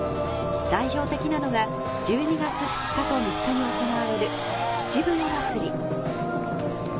代表的なのが１２月２日と３日に行われる秩父夜祭。